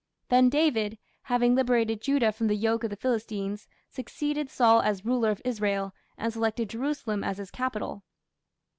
Then David, having liberated Judah from the yoke of the Philistines, succeeded Saul as ruler of Israel, and selected Jerusalem as his capital.